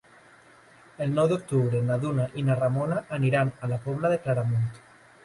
El nou d'octubre na Duna i na Ramona aniran a la Pobla de Claramunt.